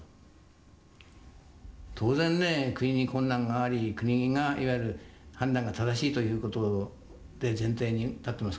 当然ね国に困難があり国がいわゆる判断が正しいということを前提に立ってますからね。